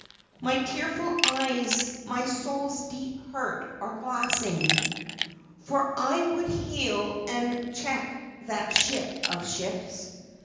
My tearful eyes my soul's deep hurt are glassing; For I would hail and check that ship of ships.